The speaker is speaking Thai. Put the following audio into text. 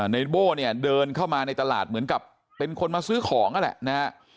ในโบ้เนี่ยเดินเข้ามาในตลาดเหมือนกับเป็นคนมาซื้อของนั่นแหละนะฮะ